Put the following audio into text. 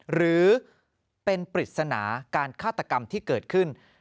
หรือเป็นปริศนาการฆาตกรรมที่เกิดขึ้น